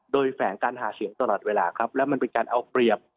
โดยแฝงการหาเสียงตลอดเวลาครับแล้วมันเป็นการเอาเปรียบ